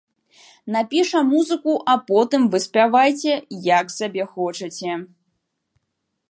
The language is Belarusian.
Напіша музыку, а потым вы спявайце, як сабе хочаце.